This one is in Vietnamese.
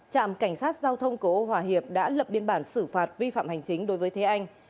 trạm cảnh sát giao thông cổ ô hòa hiệp đã lập biên bản xử phạt vi phạm hành chính đối với thế anh